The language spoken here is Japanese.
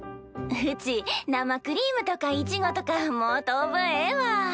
うち生クリームとかいちごとかもう当分ええわ。